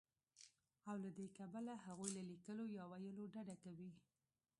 او له دې کبله هغوی له ليکلو يا ويلو ډډه کوي